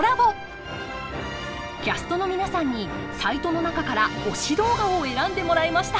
キャストの皆さんにサイトの中から推し動画を選んでもらいました。